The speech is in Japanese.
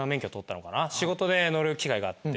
仕事で乗る機会があって。